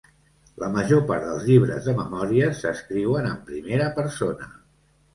La major part dels llibres de memòries s'escriuen en primera persona.